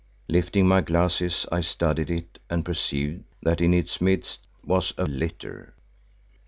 Lifting my glasses I studied it and perceived that in its midst was a litter.